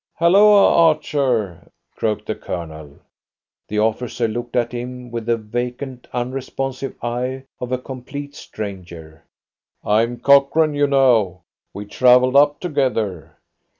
"Hulloa, Archer!" croaked the Colonel. The officer looked at him with the vacant, unresponsive eye of a complete stranger. "I'm Cochrane, you know! We travelled up together."